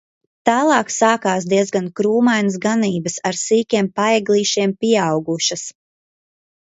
Tālāk sākās diezgan krūmainas ganības ar sīkiem paeglīšiem pieaugušas.